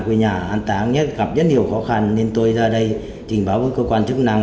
quê nhà an táng gặp rất nhiều khó khăn nên tôi ra đây trình báo với cơ quan chức năng